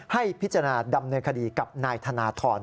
ให้พิจารณาดำเนินคดีกับนายธนทร